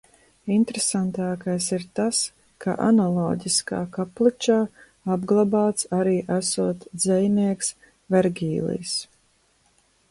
Interesantākais ir tas, ka analoģiskā kapličā apglabāts arī esot dzejnieks Vergīlijs.